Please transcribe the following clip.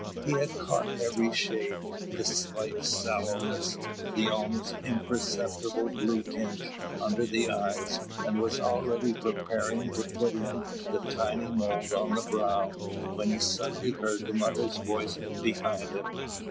He had caught every shade, the slight sallowness, the almost imperceptible blue tinge under the eyes and was already preparing to put in the tiny mole on the brow, when he suddenly heard the mother's voice behind him.